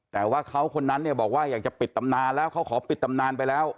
แต่ว่าเขาคนนั้นเนี่ยบอกว่าอยากจะปิดตำนานแล้วเขาขอปิดตำนานไปแล้ว